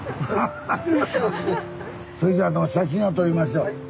それじゃ写真を撮りましょう。